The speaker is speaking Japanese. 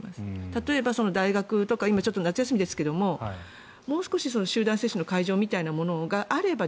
例えば、大学とか今は夏休みですがもう少し集団接種の会場みたいなものがあれば。